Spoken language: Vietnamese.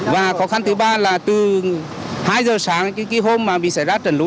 và khó khăn thứ ba là từ hai giờ sáng hôm bị xảy ra trần lũ